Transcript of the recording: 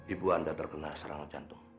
ibu anda terkena serangan jantung